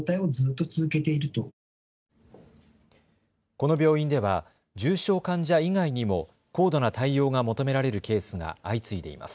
この病院では重症患者以外にも高度な対応が求められるケースが相次いでいます。